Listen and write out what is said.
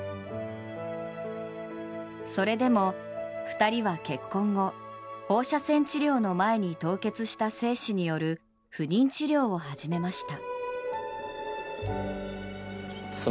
それでも２人は結婚後、放射線治療の前に凍結した精子による不妊治療を始めました。